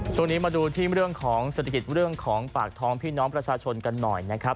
ช่วงนี้มาดูที่เรื่องของเศรษฐกิจเรื่องของปากท้องพี่น้องประชาชนกันหน่อยนะครับ